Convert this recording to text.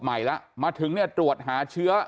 ใหม่แล้วมาถึงตรวจหาเชื้อ